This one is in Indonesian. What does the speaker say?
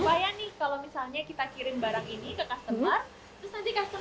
supaya nih kalau misalnya kita kirim barang ini ke customer